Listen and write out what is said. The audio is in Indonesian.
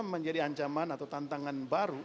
menjadi ancaman atau tantangan baru